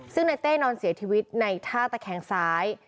ซึ่งในเต้นอนเสียชีวิตในท่าตะแคงซ้าย